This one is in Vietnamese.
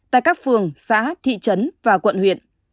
tại các phường xã thị trấn và quận huyện